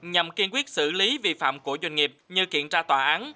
nhằm kiên quyết xử lý vi phạm của doanh nghiệp như kiện tra tòa án